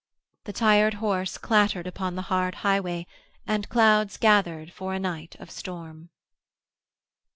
The tired horse clattered upon the hard highway and clouds gathered for a night of storm.